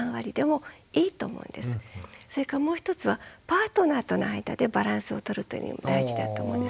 それからもう一つはパートナーとの間でバランスを取るというのも大事だと思うんです。